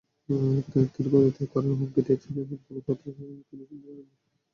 তবে তিনি পদত্যাগ করার হুমকি দিয়েছেন, এমন কোনো কথা তিনি শুনতে পাননি।